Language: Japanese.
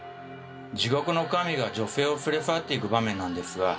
地獄の神が女性を連れ去っていく場面なんですが。